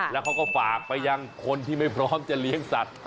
แล้วเขาก็ฝากไปยังคนที่ไม่พร้อมจะเลี้ยงสัตว์